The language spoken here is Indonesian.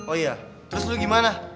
oh iya terus lu gimana